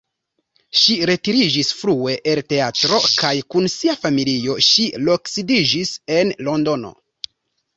Ŝi retiriĝis frue el teatro kaj kun sia familio ŝi loksidiĝis en Londono.